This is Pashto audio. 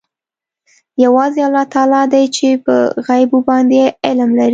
یوازې الله تعلی دی چې په غیبو باندې علم لري.